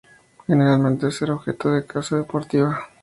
Generalmente ser objeto de caza deportiva.